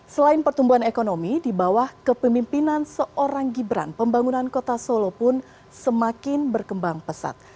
selain pertumbuhan ekonomi di bawah kepemimpinan seorang gibran pembangunan kota solo pun semakin berkembang pesat